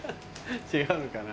違うのかな？